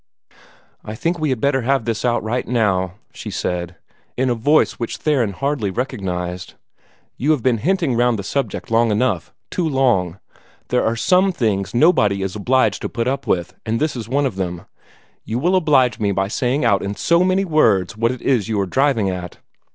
"I think we had better have this out right now," she said, in a voice which Theron hardly recognized. "You have been hinting round the subject long enough too long. There are some things nobody is obliged to put up with, and this is one of them. You will oblige me by saying out in so many words what it is you are driving at."